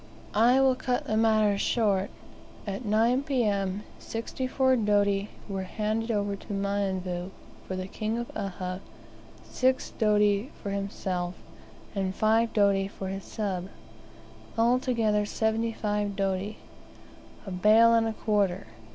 I will cut the matter short. At 9 P.M. sixty four doti were handed over to Mionvu, for the King of Uhha; six doti for himself, and five doti for his sub; altogether seventy five doti a bale and a quarter!